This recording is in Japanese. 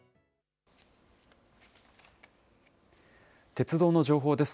鉄道の情報です。